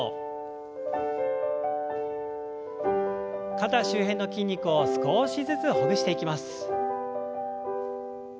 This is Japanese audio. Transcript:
肩周辺の筋肉を少しずつほぐしていきます。